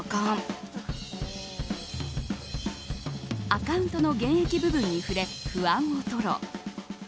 アカウントの現役部分に触れ不安を吐露。